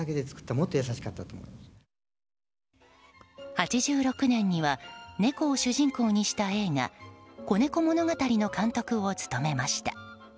８６年には猫を主人公にした映画「子猫物語」の監督を務めました。